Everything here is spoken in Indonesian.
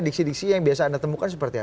diksi diksi yang biasa anda temukan seperti apa